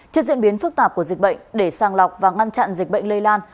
trên diễn biến phức tạp của dịch bệnh để sang lọc và ngăn chặn dịch bệnh lây lan